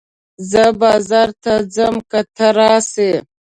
زه بازار ته ځم که ته راسې